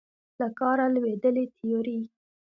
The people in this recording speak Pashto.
له کاره لوېدلې تیورۍ